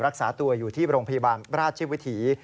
รักษาตัวอยู่ที่โรงพยาบาลราชวิถี